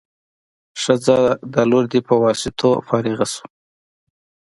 ښه ځه دا لور دې په واسطو فارغه شو.